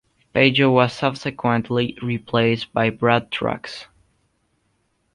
Pajo was subsequently replaced by Brad Truax.